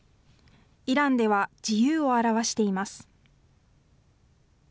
イランでは自由を表しています。